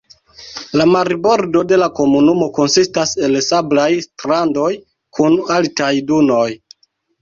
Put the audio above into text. La marbordo de la komunumo konsistas el sablaj strandoj kun altaj dunoj.